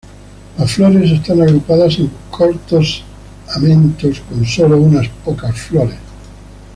La flores están agrupadas en cortos amentos con sólo unas pocas flores.